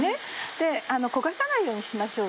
で焦がさないようにしましょう。